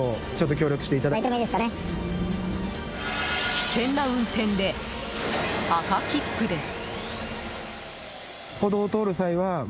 危険な運転で赤切符です。